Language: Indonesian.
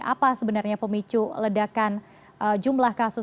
apa sebenarnya pemicu ledakan jumlah kasus